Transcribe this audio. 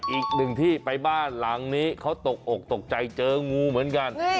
อีกหนึ่งที่ไปบ้านหลังนี้เขาตกอกตกใจเจองูเหมือนกัน